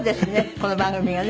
この番組がね。